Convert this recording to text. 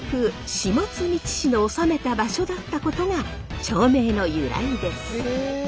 下道氏の治めた場所だったことが町名の由来です。